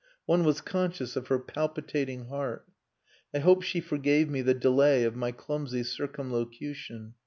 One was conscious of her palpitating heart. I hope she forgave me the delay of my clumsy circumlocution.